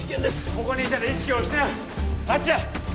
ここにいたら意識を失うあっちだ